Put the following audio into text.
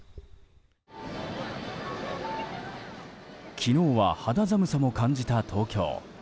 昨日は肌寒さも感じた東京。